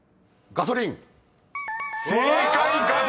「ガソリン税」］